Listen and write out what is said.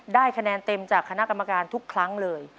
ได้คะแนนเต็มจากคณะกรรมการทุกครั้งเลย